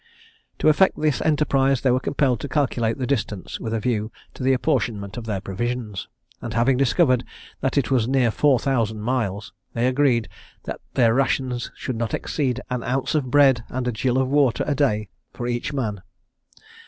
To effect this enterprise they were compelled to calculate the distance with a view to the apportionment of their provisions; and having discovered that it was near four thousand miles, they agreed that their rations should not exceed an ounce of bread and a gill of water a day for each man.